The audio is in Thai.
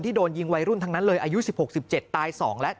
ที่โดนยิงวัยรุ่นทั้งนั้นเลยอายุสิบหกสิบเจ็ดตายสองและ